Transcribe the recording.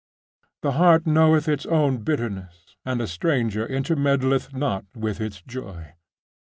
'The heart knoweth its own bitterness, and a stranger intermeddleth not with its joy.